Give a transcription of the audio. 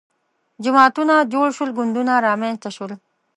جماعتونه جوړ شول ګوندونه رامنځته شول